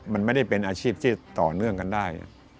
มันไม่ได้เป็นอาชีพที่ต่อเนื่องกันได้